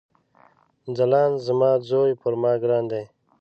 ځلاند زما ځوي پر ما ګران دی